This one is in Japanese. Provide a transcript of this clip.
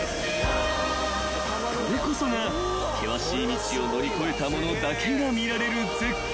［これこそが険しい道を乗り越えた者だけが見られる絶景］